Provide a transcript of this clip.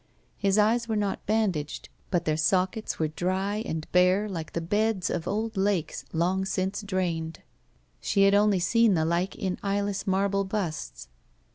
His eyes were not bandaged, but their sockets were dry and bare like the beds of old lakes long since drained.. She had only seen the like in eyeless marble busts.